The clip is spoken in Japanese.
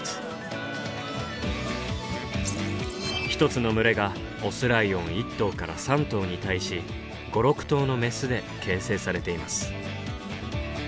１つの群れがオスライオン１頭から３頭に対し５６頭のメスで形成されています。